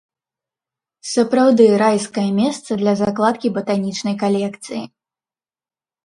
Сапраўды, райскае месца для закладкі батанічнай калекцыі.